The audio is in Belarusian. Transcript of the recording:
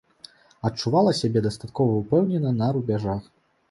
Адчувала сябе дастаткова ўпэўнена на рубяжах.